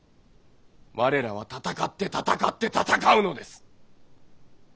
我らは戦って戦って戦うのです！